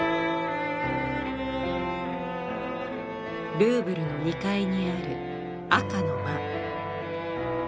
ルーブルの２階にある赤の間。